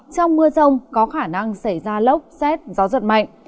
trong mưa rông có khả năng xảy ra lốc xét gió giật mạnh